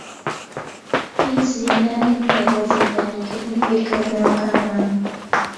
هیچ زیندانێک نییە بۆ زیندانیکردنی بیرکردنەوەکانمان.